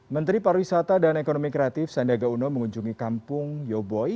menteri pariwisata dan ekonomi kreatif sandiaga uno mengunjungi kampung yoboy